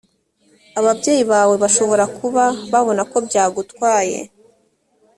ababyeyi bawe bashobora kuba babona ko byagutwaye